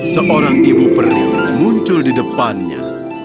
seorang ibu periu muncul di depannya